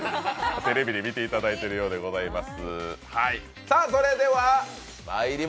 テレビで見ていただいているようです。